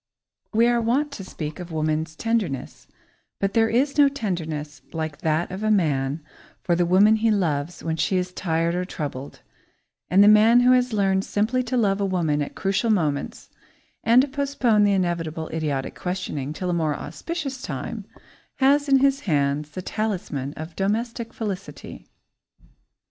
We are wont to speak of woman's tenderness, but there is no tenderness like that of a man for the woman he loves when she is tired or troubled, and the man who has learned simply to love a woman at crucial moments, and to postpone the inevitable idiotic questioning till a more auspicious time, has in his hands the talisman of domestic felicity.